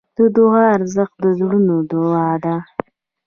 د دعا ارزښت د زړونو دوا ده.